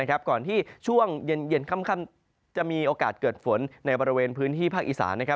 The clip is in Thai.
สีหน้ามเงินประเภนตกเบา